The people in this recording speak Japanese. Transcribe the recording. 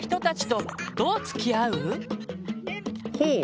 ほう。